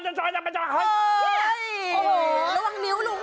โอ้โหระวังนิ้วลุง